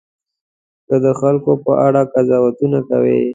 که د خلکو په اړه قضاوتونه کوئ.